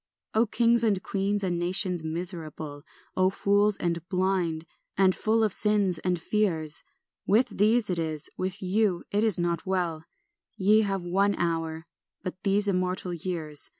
ANT. 2 O kings and queens and nations miserable, O fools and blind, and full of sins and fears, With these it is, with you it is not well; Ye have one hour, but these the immortal years.